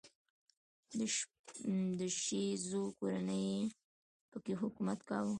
د شیزو کورنۍ په کې حکومت کاوه.